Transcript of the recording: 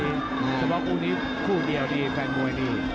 เฉพาะคู่นี้คู่เดียวที่แฟนมวยดี